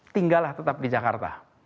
tinggallah tetap di jakarta